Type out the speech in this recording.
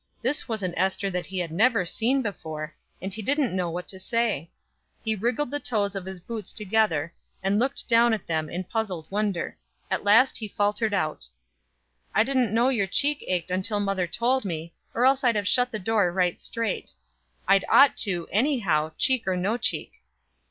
This was an Ester that he had never seen before, and he didn't know what to say. He wriggled the toes of his boots together, and looked down at them in puzzled wonder. At last he faltered out: "I didn't know your cheek ached till mother told me, or else I'd have shut the door right straight. I'd ought to, any how, cheek or no cheek."